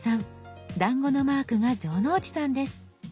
だんごのマークが城之内さんです。